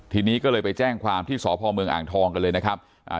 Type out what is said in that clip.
ทีนี้ก็เลยไปแจ้งความที่สพเมืองอ่างทองกันเลยนะครับอ่า